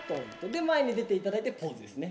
で前に出て頂いてポーズですね。